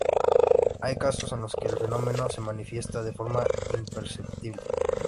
Hay casos en los que el fenómeno se manifiesta de forma imperceptible.